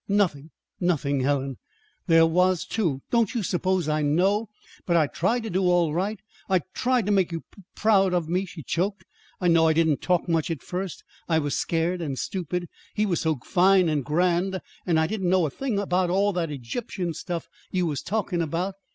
"Nothing; nothing, Helen." "There was, too. Don't you suppose I know? But I tried to do all right. I tried to make you p proud of me," she choked. "I know I didn't talk much at first. I was scared and stupid, he was so fine and grand. And I didn't know a thing about all that Egyptian stuff you was talking about.